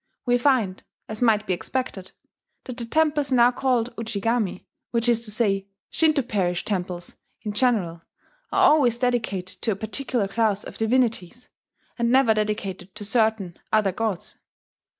We find, as might be expected, that the temples now called Ujigami which is to say, Shinto parish temples in general are always dedicated to a particular class of divinities, and never dedicated to certain other gods.